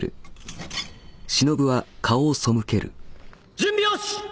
準備よし！